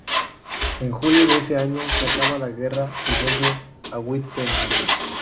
En julio de ese año, se acaba la guerra y vuelve a Wittenberg.